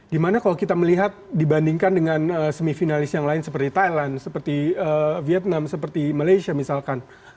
di mana kalau kita melihat dibandingkan dengan semifinalis yang lain seperti thailand vietnam malaysia misalkan